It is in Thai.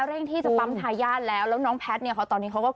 เร่งที่จะปั๊มทายาทแล้วแล้วน้องแพทย์เนี่ยเขาตอนนี้เขาก็